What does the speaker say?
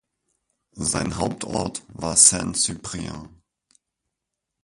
Sein Hauptort war Saint-Cyprien.